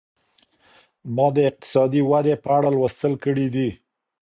ما د اقتصادي ودي په اړه لوستل کړي دي.